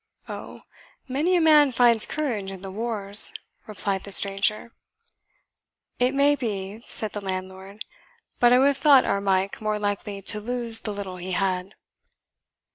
"Oh, many a man finds courage in the wars," replied the stranger. "It may be," said the landlord; "but I would have thought our Mike more likely to lose the little he had."